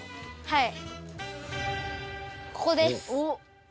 はい。